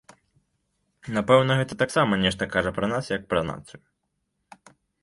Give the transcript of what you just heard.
Напэўна, гэта таксама нешта кажа пра нас як пра нацыю.